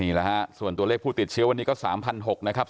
นี่แหละฮะส่วนตัวเลขผู้ติดเชื้อวันนี้ก็๓๖๐๐นะครับ